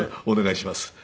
お願いします。